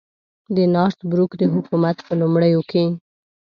د نارت بروک د حکومت په لومړیو کې.